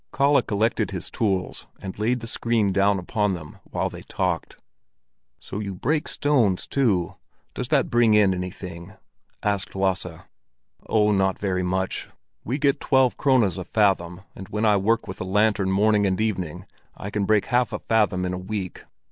Kalle collected his tools and laid the screen down upon them while they talked. "So you break stones too? Does that bring in anything?" asked Lasse. "Oh, not very much. We get twelve krones a 'fathom' and when I work with a lantern morning and evening, I can break half a fathom in a week.